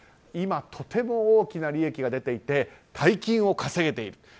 今、とても大きな利益が出ていて大金を稼げている。